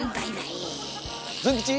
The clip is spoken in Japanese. ズン吉？